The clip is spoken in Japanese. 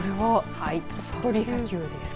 鳥取砂丘です。